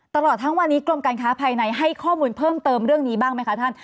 ตลอดทั้งวันนี้กรมการค้าภายในให้ข้อมูลเพิ่มเติมเรื่องนี้บ้างไหมคะท่าน